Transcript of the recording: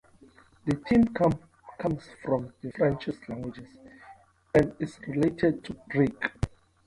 The term comes from the French language and is related to "brick".